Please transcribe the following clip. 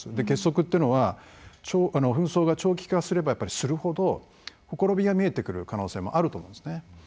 結束というのは紛争が長期化すればするほどほころびが見えてくる可能性もあると思うんですね。